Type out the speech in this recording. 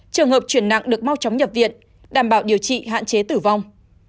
trường hợp chuyển nặng được mau chóng nhập viện đảm bảo điều trị hạn chế tử vong